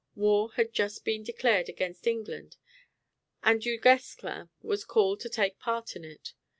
War had just been declared against England, and Du Guesclin was called to take part in it.